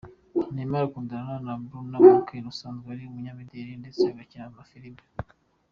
Neymar akundana na Bruna Marquez usanzwe ari umunyamideli ndetse agakina amafilimi.